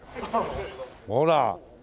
ほら！